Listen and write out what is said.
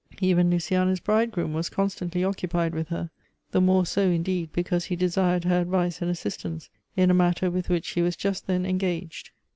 Even Luciana's bridegroom was constantly occupied with her; the more so, indeed, because he desired her advice and assistance in a matter with which he was just then en gaged.